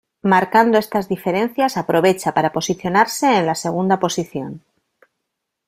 Marcando estas diferencias, aprovecha para posicionarse en la segunda posición.